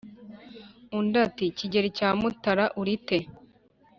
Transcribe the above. Undi ati “Kigeli cya Mutara urite ,